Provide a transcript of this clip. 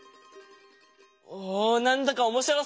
おなんだかおもしろそう！